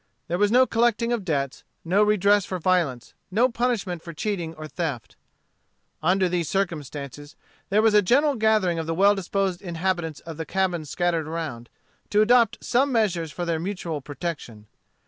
There was no collecting of debts, no redress for violence, no punishment for cheating or theft. Under these circumstances, there was a general gathering of the well disposed inhabitants of the cabins scattered around, to adopt some measures for their mutual protection.